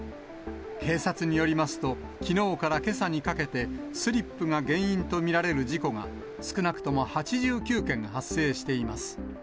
警察によりますと、きのうからけさにかけて、スリップが原因と見られる事故が、少なくとも８９件発生しています。